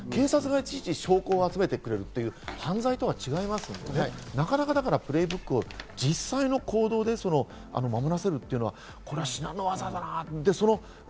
警察がいちいち証拠を集めてくれるという犯罪とは違いますので、プレイブックを実際の行動で守らせるというのは至難の技だなと。